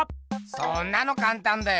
そんなのかんたんだよ！